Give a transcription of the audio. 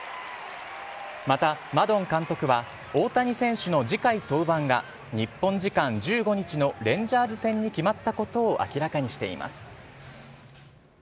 また、マドン監督は大谷選手の次回登板が、日本時間１５日のレンジャーズ戦に決まったことを明らかにしています。